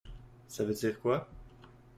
Ça veut dire quoi?